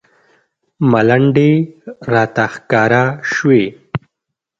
ملنډې راته ښکاره شوې.